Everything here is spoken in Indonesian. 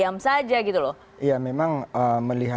ya kan juga